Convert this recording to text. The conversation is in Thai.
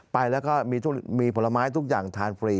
ไปแล้วก็มีผลไม้ทุกอย่างทานฟรี